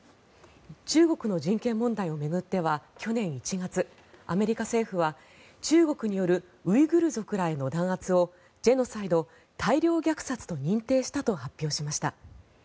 中国の人権問題を巡っては去年１月アメリカ政府は、中国によるウイグル族らへの弾圧をジェノサイド、大量虐殺と認定したと発表しました。